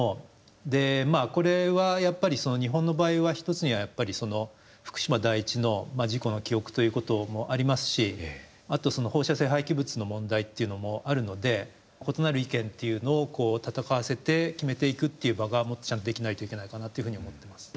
これはやっぱり日本の場合は一つにはやっぱり福島第一の事故の記憶ということもありますしあと放射性廃棄物の問題っていうのもあるので異なる意見っていうのを戦わせて決めていくっていう場がもっとちゃんとできないといけないかなというふうに思ってます。